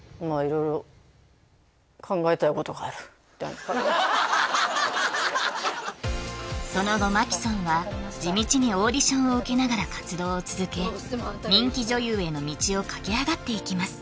色々その後真木さんは地道にオーディションを受けながら活動を続け人気女優への道を駆け上がっていきます